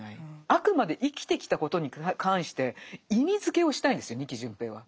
あくまで生きてきたことに関して意味づけをしたいんですよ仁木順平は。